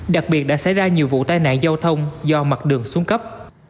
đặc biệt đã xảy ra nhiều vụ tai nạn giao thông do mặt đường xuống cấp